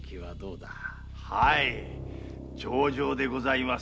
上々でございます。